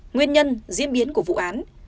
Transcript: nguyên nhân diễn biến của vụ án